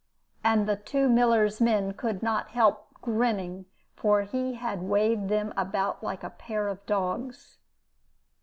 And the two miller's men could not help grinning, for he had waved them about like a pair of dogs.